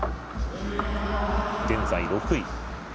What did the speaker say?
現在６位。